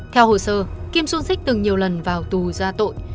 theo hồ sơ kim xuân xích từng nhiều lần vào tù ra tội